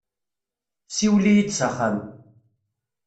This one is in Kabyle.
Siwel-iyi-d s axxam.